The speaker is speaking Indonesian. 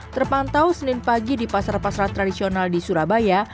terpantau senin pagi di pasar pasar tradisional di surabaya